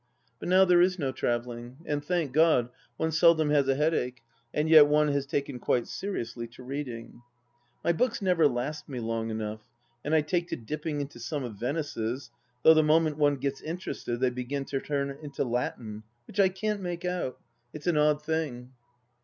But now there is no travelling, and, thank God, one seldom has a headache, and yet one has taken quite seriously to readmg. My books never last me long enough, and I take to dipping into some of Venice's, though the moment one gets interested they begin to turn it into Latin, which I can't make out. It's an odd thing.